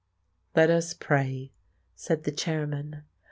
"Let us pray," said the chairman.